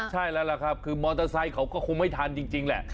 ใช่แล้วล่ะครับคือมอเตอร์ไซค์เขาก็คงไม่ทันจริงแหละ